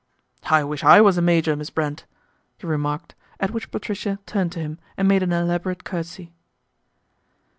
" I wish I was a major, Miss Brent," he re marked, at which Patricia turned to him and made an elaborate curtsy.